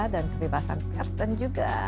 dan kebebasan pers dan juga